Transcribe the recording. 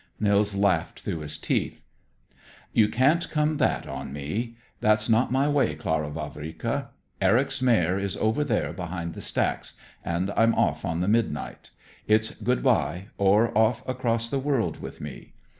Nils laughed through his teeth. "You can't come that on me. That's not my way, Clara Vavrika. Eric's mare is over there behind the stacks, and I'm off on the midnight. It's good by, or off across the world with me.